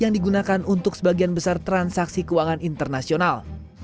yang digunakan untuk sebagian besar transaksi keuangan internasional